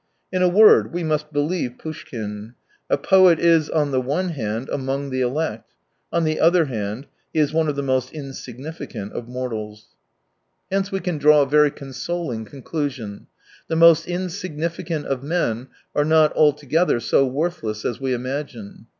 In a word, we must believe Poushkin. A poet is, on the one hand, among the elect ; on the other hand, he is one of the most insignificant oFmortals. 151 Hence we can draw a very consoling con clusion : the most insignificant of men are not altogether so worthless as we imagine.